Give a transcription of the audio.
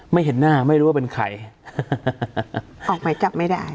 เห็นหน้าไม่รู้ว่าเป็นใครออกหมายจับไม่ได้